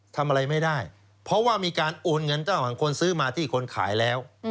ทำอะไรไม่ได้เพราะว่ามีการโอนเงินระหว่างคนซื้อมาที่คนขายแล้ว